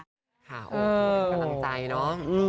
อ้อโหประทับใจเนอะ